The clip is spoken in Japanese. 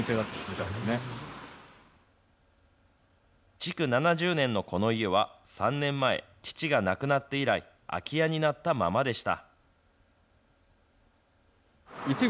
築７０年のこの家は、３年前、父が亡くなって以来、空き家になったままでした。